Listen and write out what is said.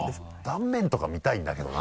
断面とか見たいんだけどな。